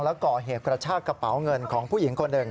แล้วก่อเหตุกระชากระเป๋าเงินของผู้หญิงคนหนึ่ง